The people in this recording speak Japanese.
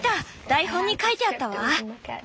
台本に書いてあったわ！